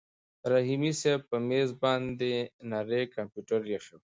رحیمي صیب په مېز باندې نری کمپیوټر ایښی و.